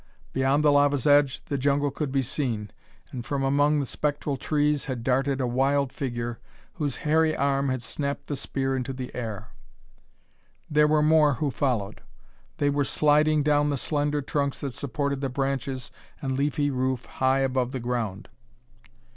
Beyond the lava's edge the jungle could be seen, and from among the spectral trees had darted a wild figure whose hairy arm had snapped the spear into the air. There were more who followed. They were sliding down the slender trunks that supported the branches and leafy roof high above the ground.